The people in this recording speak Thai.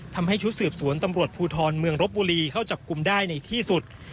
ทำให้ชุดสืบสวนตำรวจภูทรเมืองรบบุรีเข้าจับกลุ่มได้ในที่สุด